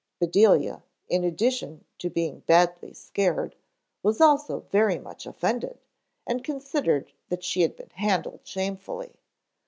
Bedelia, in addition to being badly scared, was also very much offended and considered that she had been handled shamefully.